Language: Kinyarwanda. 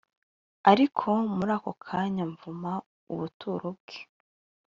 Ariko muri ako kanya mvuma ubuturo bwe